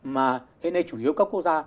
mà hiện nay chủ yếu các quốc gia